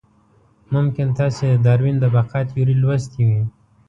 ممکن تاسې د داروېن د بقا تیوري لوستې وي.